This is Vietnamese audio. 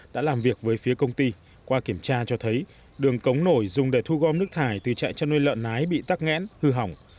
đã làm việc với phía công ty qua kiểm tra cho thấy đường cống nổi dùng để thu gom nước thải từ trại chăn nuôi lợn nái bị tắc nghẽn hư hỏng